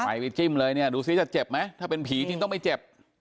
ไปจิ้มเลยเนี่ยดูซิจะเจ็บไหมถ้าเป็นผีจริงต้องไปเจ็บ